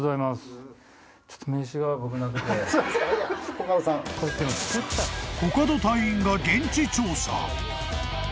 ［コカド隊員が現地調査］